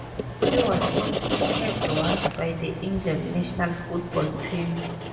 He was also capped once by the England national football team.